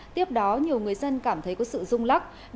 tiếp đó nhiều người dân cảm thấy có sự rung lắc